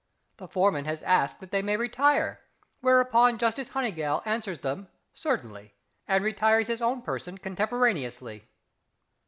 The foreman has asked that they may retire, whereupon Justice HONEYGALL answers them, "certainly," and retires his own person contemporaneously....